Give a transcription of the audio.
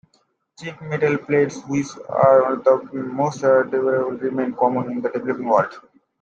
Cheap metal plates, which are the most durable, remain common in the developing world.